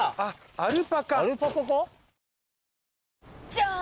じゃーん！